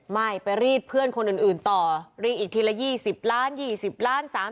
สี่สิบล้านหกสิบล้านหกสิบล้านหกสิบล้านหกสิบล้านหกสิบล้านหกสิบล้าน